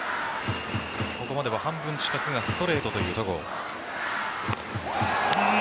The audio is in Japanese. ここまでは半分近くがストレートという戸郷。